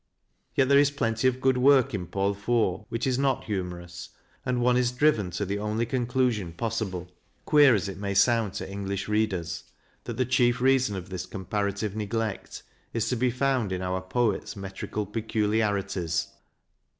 Yet there is plenty of good work in Paul Fort which is not humorous, and one is driven to the only conclusion possible, queer as it may sound to English readers, that the chief reason of this com parative neglect is to be found in our poet's metrical peculiarities.